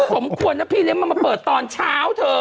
สมควรนะพี่เล็กมาเปิดตอนเช้าเถอะ